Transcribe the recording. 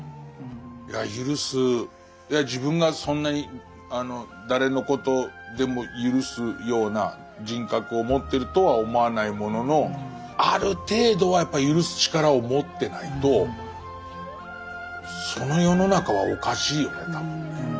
いやゆるす自分がそんなに誰のことでもゆるすような人格を持ってるとは思わないもののある程度はやっぱりゆるす力を持ってないとその世の中はおかしいよね多分ね。